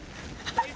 はい。